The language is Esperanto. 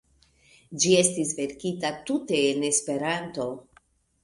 Ĝi estis verkita tute en Esperanto.